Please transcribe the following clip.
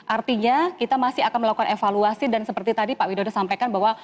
artinya kita masih akan melakukan evaluasi dan seperti tadi pak widodo sampaikan bahwa